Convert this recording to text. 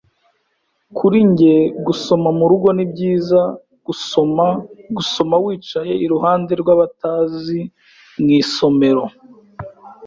Kuri njye, gusoma murugo ni byiza gusoma gusoma wicaye iruhande rw'abatazi mu isomero.